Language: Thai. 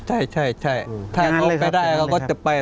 ใช่ถ้าเขาไปได้เขาก็จะไป